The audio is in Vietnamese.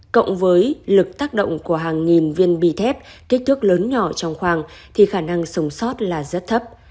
cộng với lực tác động của hàng nghìn viên bì thép kích thước lớn nhỏ trong khoang thì khả năng sống sót là rất thấp